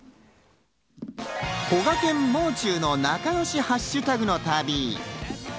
こがけん、もう中の仲よしハッシュタグの旅。